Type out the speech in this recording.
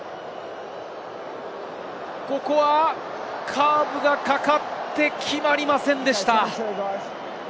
ここはカーブがかかって決まりませんでした。